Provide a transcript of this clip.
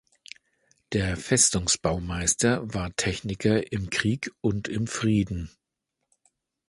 Der Festungsbaumeister war Techniker im Krieg und im Frieden.